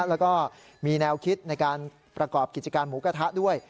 แล้วก็มีแนวคิดในการประกอบกิจการหมูกระทะด้วย